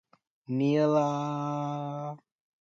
ni la?